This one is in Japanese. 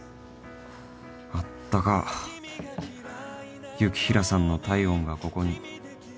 あったか雪平さんの体温がここに